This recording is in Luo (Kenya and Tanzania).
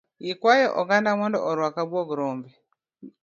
Ikwayo oganda mondo oruk abuog rombe.